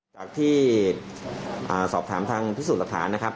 จากที่สอบถามทางพิสุทธ์สระภานะครับ